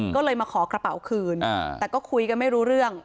ก็เลยมาขอกระเป๋าคืนแต่ก็คุยกันไม่รู้เรื่อง